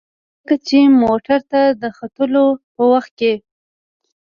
ځکه چې موټر ته د ختلو په وخت کې.